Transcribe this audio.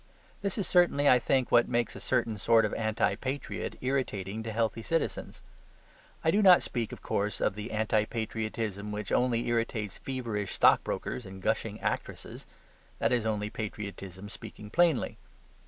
This is certainly, I think, what makes a certain sort of anti patriot irritating to healthy citizens. I do not speak (of course) of the anti patriotism which only irritates feverish stockbrokers and gushing actresses; that is only patriotism speaking plainly.